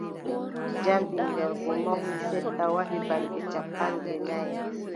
Jam ɓiŋngel goo mawni seeɗa, waɗi balɗe cappanɗe nayi.